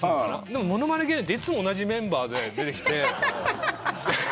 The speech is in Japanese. でも物まね芸人っていつも同じメンバーで出てきて。